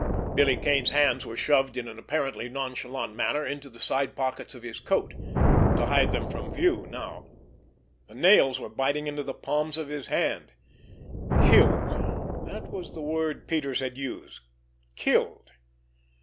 Billy Kane's hands were shoved in an apparently nonchalant manner into the side pockets of his coat—to hide them from view now. The nails were biting into the palms of his hands. "Killed" that was the word Peters had used—"killed."